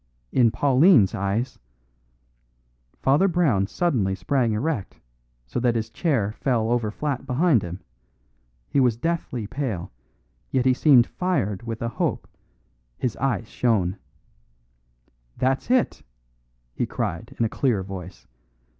In Pauline's eyes " Father Brown suddenly sprang erect, so that his chair fell over flat behind him. He was deathly pale, yet he seemed fired with a hope; his eyes shone. "That's it!" he cried in a clear voice.